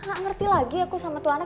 udah gak ngerti lagi aku sama tuah anak